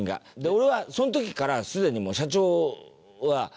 俺はその時からすでに社長は狙ってた。